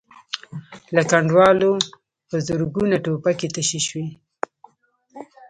له کنډوالو په زرګونو ټوپکې تشې شوې.